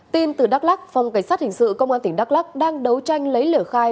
tin từ đắk lắc phòng cảnh sát hình sự công an tỉnh đắk lắc đang đấu tranh lấy lửa khai